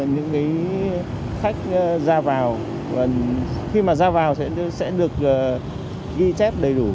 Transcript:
những khách ra vào khi mà ra vào sẽ được ghi chép đầy đủ